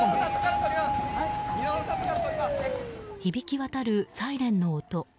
響き渡るサイレンの音。